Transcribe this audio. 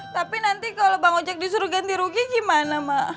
tapi nanti kalau bang ojek disuruh ganti rugi gimana mbak